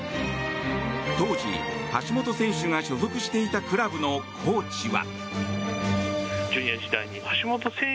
当時、橋本選手が所属していたクラブのコーチは。